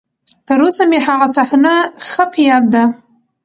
تر اوسه مې هغه صحنه ښه په ياد ده.